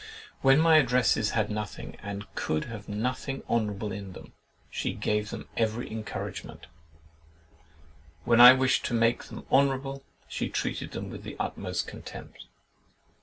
When my addresses had nothing, and could have nothing honourable in them, she gave them every encouragement; when I wished to make them honourable, she treated them with the utmost contempt.